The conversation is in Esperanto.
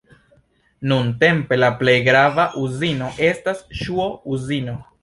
Nuntempe la plej grava uzino estas ŝuo-uzino.